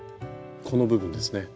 この部分ですね。